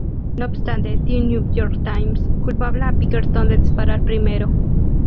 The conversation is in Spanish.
No obstante, "The New York Times" culpaba a Pinkerton de disparar primero.